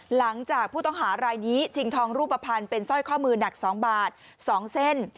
หลังจากผู้ต้องหารายนี้ชิงทองรูปภัณฑ์เป็นสร้อยข้อมือหนัก๒บาท๒เส้น